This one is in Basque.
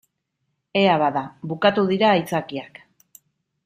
Ea bada, bukatu dira aitzakiak.